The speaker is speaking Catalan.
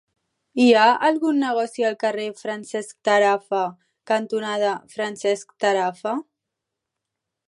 Hi ha algun negoci al carrer Francesc Tarafa cantonada Francesc Tarafa?